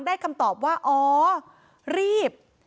คำตอบว่าอ๋อรีบ